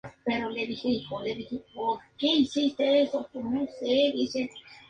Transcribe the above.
Su agricultura se reducía a cultivar maíz, chile, algodón, tabaco y calabaza.